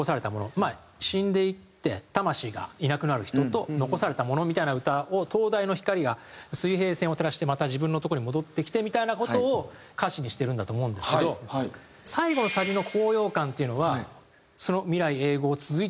まあ死んでいって魂がいなくなる人と残されたものみたいな歌を灯台の光が水平線を照らしてまた自分のとこに戻ってきてみたいな事を歌詞にしてるんだと思うんですけど最後のサビの高揚感っていうのは未来永劫続いていくかのような魂の永劫回帰だったり輪廻転生だったり